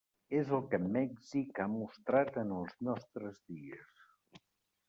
És el que Mèxic ha mostrat en els nostres dies.